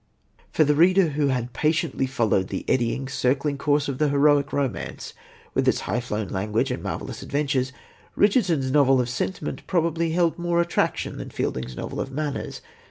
For the reader who had patiently followed the eddying, circling course of the heroic romance, with its high flown language and marvellous adventures, Richardson's novel of sentiment probably held more attraction than Fielding's novel of manners.